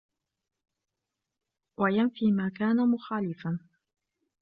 وَيَنْفِيَ مَا كَانَ مُخَالِفًا